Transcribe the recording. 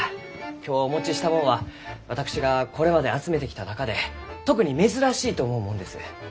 今日お持ちしたもんは私がこれまで集めてきた中で特に珍しいと思うもんです。